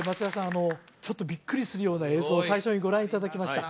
あのちょっとビックリするような映像を最初にご覧いただきました